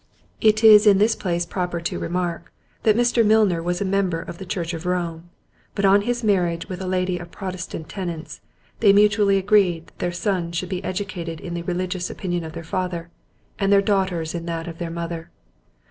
It is in this place proper to remark, that Mr. Milner was a member of the church of Rome, but on his marriage with a lady of Protestant tenets, they mutually agreed their sons should be educated in the religious opinion of their father, and their daughters in that of their mother.